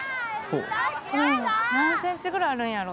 うん何センチぐらいあるんやろ？